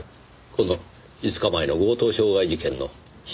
この５日前の強盗傷害事件の被害者。